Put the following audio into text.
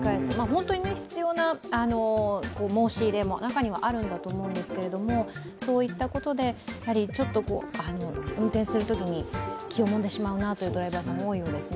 本当に必要な申し入れも中にはあると思うんですけど、そういったことで、ちょっと運転するときに気をもんでしまうというドライバーさんは多いようですね。